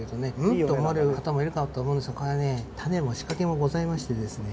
っと思われる方もいるかなと思うんですがタネも仕掛けもございましてですね。